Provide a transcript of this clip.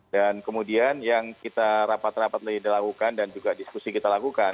dan kemudian yang kita rapat rapat lakukan dan juga diskusi kita lakukan